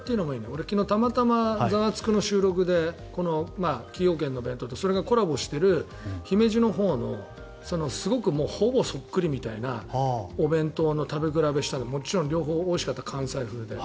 俺、たまたま昨日「ザワつく！」の収録で崎陽軒の弁当とそれがコラボしている姫路のほうのすごくほぼそっくりみたいなお弁当の食べ比べをしたけれどもちろん両方おいしかった関西風で。